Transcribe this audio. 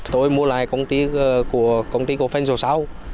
tôi mua lại công ty của phân số sáu